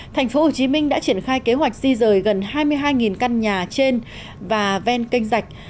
tp hcm đã triển khai kế hoạch di rời gần hai mươi hai căn nhà trên và ven kênh dạch